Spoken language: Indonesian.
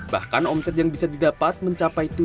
bahkan omset yang bisa didapat mencapai